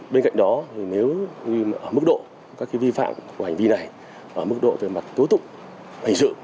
bên cạnh đó nếu mức độ các vi phạm của hành vi này mức độ về mặt tố tụng hành sự